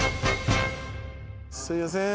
すいません。